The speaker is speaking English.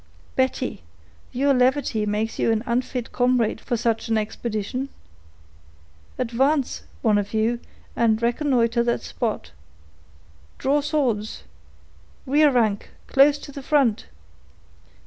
"Betty, your levity makes you an unfit comrade for such an expedition. Advance, one of you, and reconnoiter the spot; draw swords!—rear rank, close to the front!"